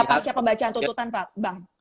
pasca pembacaan tuntutan bang